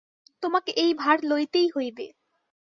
তোমাকে এই ভার লইতেই হইবে।